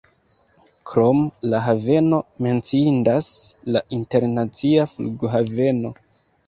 Krom la haveno menciindas la internacia flughaveno.